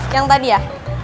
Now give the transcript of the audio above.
yang tadi ya